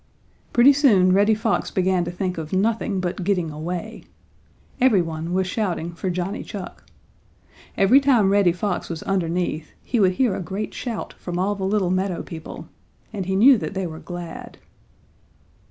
Pretty soon Reddy Fox began to think of nothing but getting away. Every one was shouting for Johnny Chuck. Every time Reddy Fox was underneath, he would hear a great shout from all the little meadow people, and he knew that they were glad.